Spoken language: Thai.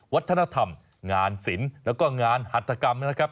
วัฒนธรรมงานศีลก็งานหัฒนกรรมนะครับ